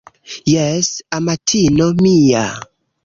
Jes, amatino mia